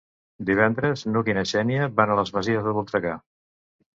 Divendres n'Hug i na Xènia van a les Masies de Voltregà.